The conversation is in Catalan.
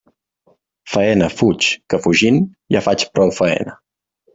Faena fuig, que fugint ja faig prou faena.